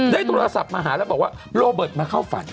ได้โทรศัพท์มาหาแล้วบอกว่าโรเบิร์ตมาเข้าฝัน